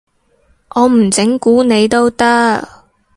我唔整蠱你都得